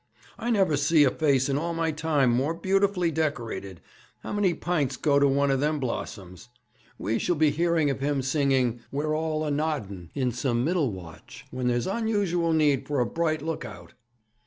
'I never see a face in all my time more beautifully decorated. How many pints go to one of them blossoms? We shall be hearing of him singing "We're all a noddin'" in some middle watch, when there's onusual need for a bright look out.'